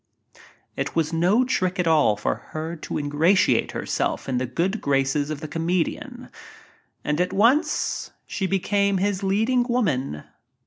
It was no trick at all for her to ingratiate herself in the good graces of the comedian. And at once she became his leading woman.